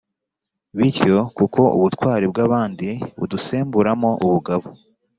bityo kuko ubutwari bw’abandi budusemburamo ubugabo